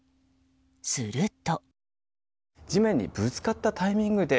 すると。